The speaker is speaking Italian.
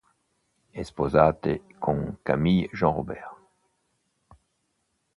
È sposato con Camille Jean-Robert.